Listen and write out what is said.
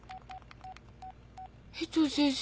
江藤先生